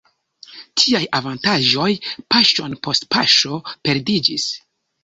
Tiaj avantaĝoj paŝon post paŝo perdiĝis.